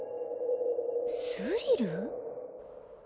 スリル？